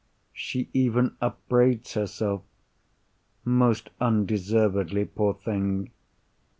She even upbraids herself—most undeservedly, poor thing!